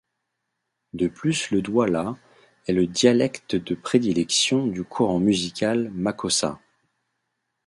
De plus le douala est le dialecte de prédilection du courant musical Makossa.